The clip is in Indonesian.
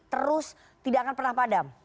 terus tidak akan pernah padam